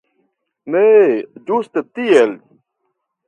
Ne, ĝuste tiel.